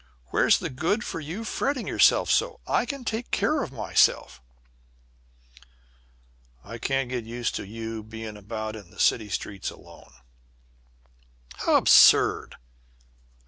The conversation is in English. Where's the good for you fretting yourself so? I can take care of myself." "I can't get used to you being about in the city streets alone." "How absurd!"